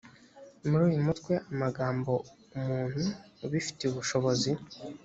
muri uyu mutwe amagambo umuntu ubifitiye ubushobozi